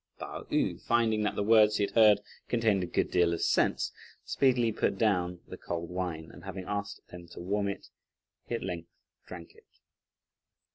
Pao yü finding that the words he had heard contained a good deal of sense, speedily put down the cold wine, and having asked them to warm it, he at length drank it.